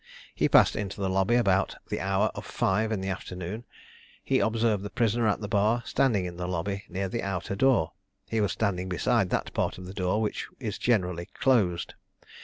He passed into the lobby about the hour of five in the afternoon. He observed the prisoner at the bar standing in the lobby near the outer door; he was standing beside that part of the door which is generally closed.